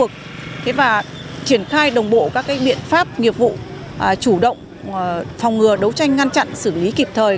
kế đồng bộ các biện pháp nghiệp vụ chủ động phòng ngừa đấu tranh ngăn chặn xử lý kịp thời